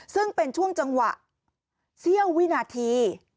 ซึ่งเป็นช่วงจังหวะเสี้ยววินาที